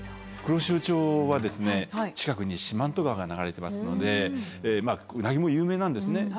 黒潮町は近くに四万十川が流れてますのでうなぎも有名なんですね。